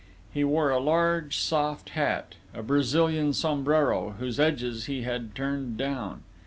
He wore a large soft hat a Brazilian sombrero whose edges he had turned down.